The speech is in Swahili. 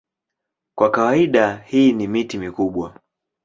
Kwa kawaida hii ni miti mikubwa.